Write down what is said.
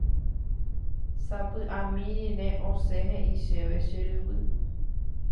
Sapy'ami rire osẽ he'i chéve che ryvy.